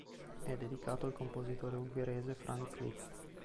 È dedicato al compositore ungherese Franz Liszt.